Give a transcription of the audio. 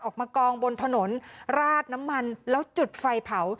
กองบนถนนราดน้ำมันแล้วจุดไฟเผา